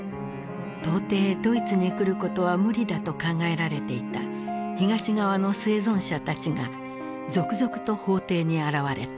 到底ドイツに来ることは無理だと考えられていた東側の生存者たちが続々と法廷に現れた。